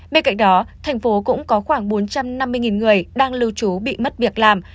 bên cạnh đó thành phố cũng có khoảng bốn trăm năm mươi người đang lưu trú bị mất việc làm